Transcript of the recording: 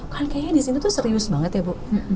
kan kayaknya di sini terseap banget ya bu